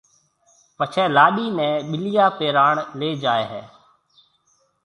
پڇيَ لاڏِي نيَ ٻِليا پيراڻ ليَ جائيَ ھيََََ